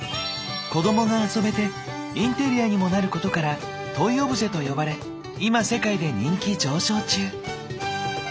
子どもが遊べてインテリアにもなることから「トイオブジェ」と呼ばれ今世界で人気上昇中。